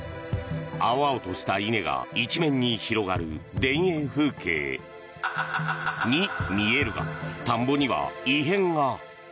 青々とした稲が一面に広がる田園風景に見えるが田んぼには異変が。